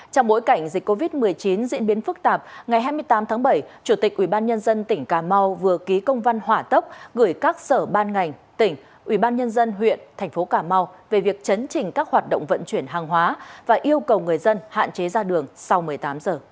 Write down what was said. trong bối cảnh dịch covid một mươi chín diễn biến phức tạp ngày hai mươi tám tháng bảy chủ tịch ubnd tỉnh cà mau vừa ký công văn hỏa tốc gửi các sở ban ngành tỉnh ubnd huyện thành phố cà mau về việc chấn chỉnh các hoạt động vận chuyển hàng hóa và yêu cầu người dân hạn chế ra đường sau một mươi tám h